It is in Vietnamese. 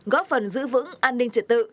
góp phần giữ vững an ninh triệt tự